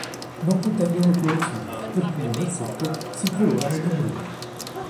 Non contengono clorofilla per cui nel secco si colorano di bruno.